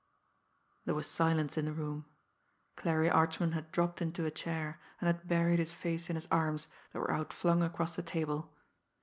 '" There was silence in the room. Clarie Archman had dropped into a chair, and had buried his face in his arms that were out flung across the table.